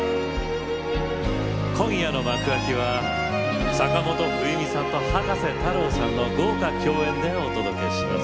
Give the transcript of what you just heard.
今夜の幕開きは坂本冬美さんと葉加瀬太郎さんの豪華共演でお届けします。